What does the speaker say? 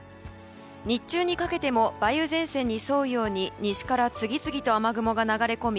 日中にかけても梅雨前線に沿うように西から次々と雨雲が流れ込み